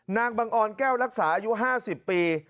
นางบังออนแก้วรักษาอายุ๕๐ปี